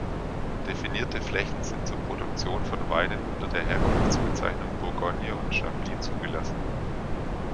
Definierte Flächen sind zur Produktion von Weinen unter der Herkunftsbezeichnung Bourgogne und Chablis zugelassen.